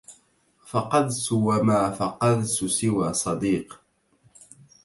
فقدت وما فقدت سوى صديق